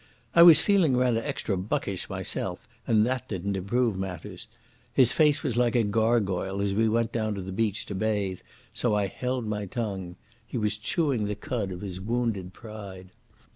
I was feeling rather extra buckish myself and that didn't improve matters. His face was like a gargoyle as we went down to the beach to bathe, so I held my tongue. He was chewing the cud of his wounded pride.